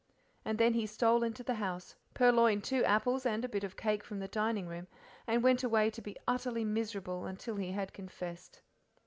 And then he stole into the house, purloined two apples and a bit of cake from the dining room, and went away to be utterly miserable until he had confessed.